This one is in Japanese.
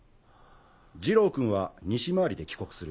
二郎君は西回りで帰国する。